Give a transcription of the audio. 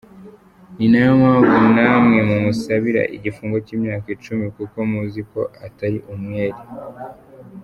Ni nayo mpamvu namwe mumusabira igifungo cy’imyaka icumi kuko muzi ko atari umwere.